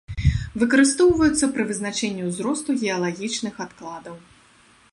Выкарыстоўваюцца пры вызначэнні ўзросту геалагічных адкладаў.